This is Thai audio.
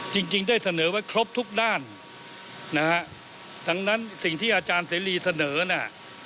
จริงจริงได้เสนอไว้ครบทุกด้านนะฮะดังนั้นสิ่งที่อาจารย์เสรีเสนอน่ะ